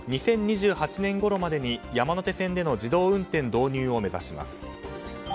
２０２８年ごろまでに山手線での自動運転導入を目指します。